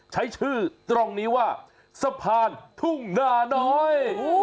ใช้ชื่อตรงนี้ว่าสะพานทุ่งนาน้อย